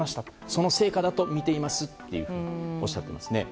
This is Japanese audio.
その成果だとみていますとおっしゃっていますね。